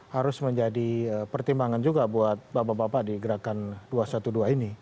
harus menjadi pertimbangan juga buat bapak bapak di gerakan dua ratus dua belas ini